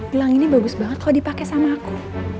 gelang ini bagus banget kalo dipake sama aku